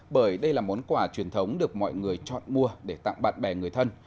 bởi đây là món quà truyền thống được mọi người chọn mua để tặng bạn bè người thân